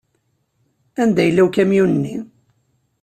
Anda yella ukamyun-nni?